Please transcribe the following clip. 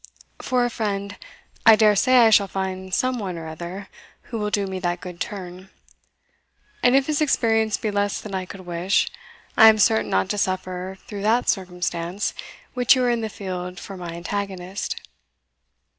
For a friend, I dare say I shall find some one or other who will do me that good turn; and if his experience be less than I could wish, I am certain not to suffer through that circumstance when you are in the field for my antagonist."